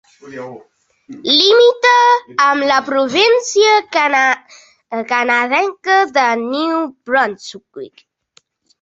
Limita amb la província canadenca de New Brunswick.